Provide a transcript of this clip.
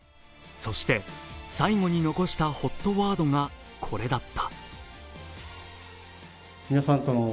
そして、最後に残したＨＯＴワードがこれだった。